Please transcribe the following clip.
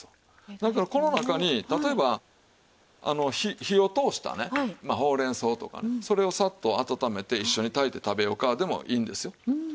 だからこの中に例えば火を通したねほうれん草とかねそれをさっと温めて一緒に炊いて食べようかでもいいんですよ。